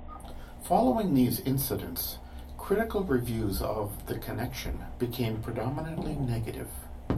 Following these incidents, critical reviews of "The Connection" became predominantly negative.